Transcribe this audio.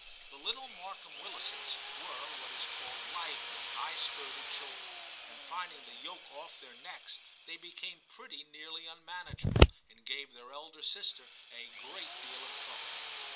The little Markham Willises were what is called lively, high spirited chil dren, and finding the yoke off their necks, they became pretty nearly unmanageable, and gave their elder sister a great deal of trouble.